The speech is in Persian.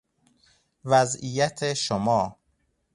وضعیت شما،